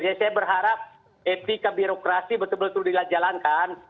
saya berharap etika birokrasi betul betul dilajalankan